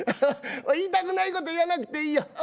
言いたくないこと言わなくていいよ。